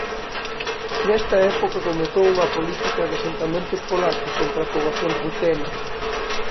Nesta época comezou unha política de asentamentos polacos entre a poboación rutena.